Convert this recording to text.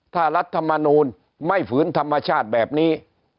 ถ้ารัฐมนูลไม่ฝืนธรรมชาติแบบนี้